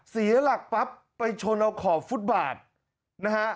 เสียหลักปั๊บไปชนเอาขอบฟุตบาทนะฮะ